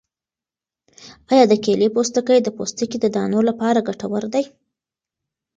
آیا د کیلې پوستکی د پوستکي د دانو لپاره ګټور دی؟